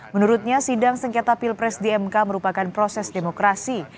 menurutnya sidang sengketa pilpres di mk merupakan proses demokrasi